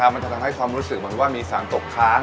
มันจะทำให้ความรู้สึกเหมือนว่ามีสารตกค้าง